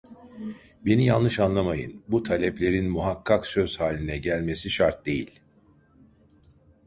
Beni yanlış anlamayın, bu taleplerin muhakkak söz haline gelmesi şart değil…